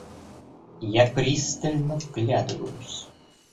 Я пристально вглядываюсь.